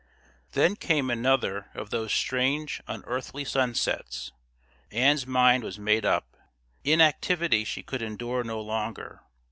Then came another of those strange unearthly sunsets. Ann's mind was made up. Inactivity she could endure no longer.